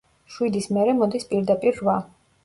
შვიდის მერე მოდის პირდაპირ რვა.